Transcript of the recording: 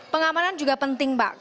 pengamanan juga penting mbak